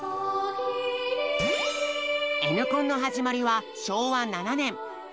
Ｎコンの始まりは昭和７年１９３２年。